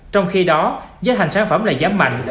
trong khi đó giá thành sản phẩm lại giảm mạnh